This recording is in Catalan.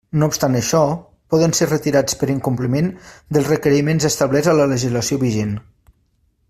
No obstant això, poden ser retirats per incompliment dels requeriments establerts a la legislació vigent.